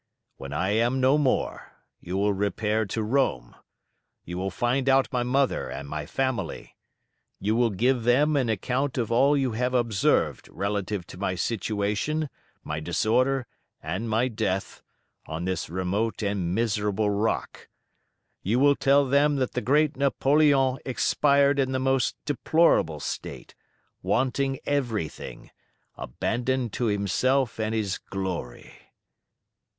When I am no more you will repair to Rome; you will find out my mother and my family. You will give them an account of all you have observed relative to my situation, my disorder, and my death on this remote and miserable rock; you will tell them that the great Napoleon expired in the most deplorable state, wanting everything, abandoned to himself and his glory."